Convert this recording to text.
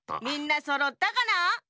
みんなそろったかな？